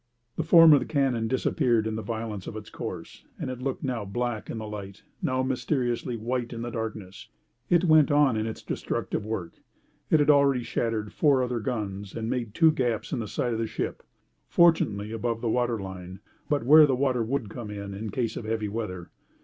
The form of the cannon disappeared in the violence of its course, and it looked now black in the light, now mysteriously white in the darkness. It went on in its destructive work. It had already shattered four other guns and made two gaps in the side of the ship, fortunately above the water line, but where the water would come in, in case of heavy weather.